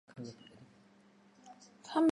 萼片宿存。